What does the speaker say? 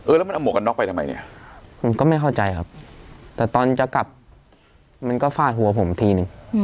แล้วมันเอาหวกกันน็อกไปทำไมเนี่ยผมก็ไม่เข้าใจครับแต่ตอนจะกลับมันก็ฟาดหัวผมทีนึง